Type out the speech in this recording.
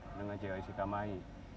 bendungan ciawi sukamahi